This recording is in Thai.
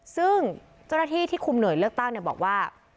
ซึ่งเจ้าหน้าที่ที่คุมหน่วยเลือกตั้งบอกว่า